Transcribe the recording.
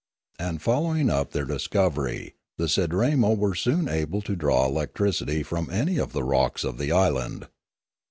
And following up their dis covery the Sidramo were soon able to draw electricity from any of the rocks of the island.